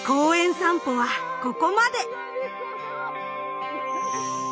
さんぽはここまで！